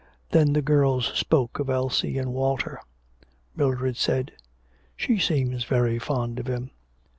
Then the girls spoke of Elsie and Walter. Mildred said: 'She seems very fond of him.'